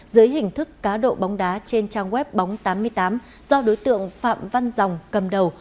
dưới hình thức cá độ bóng đá trên trang web bóng tám mươi tám do đối tượng phạm văn dòng cầm đầu